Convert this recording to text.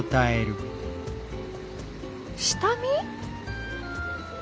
下見？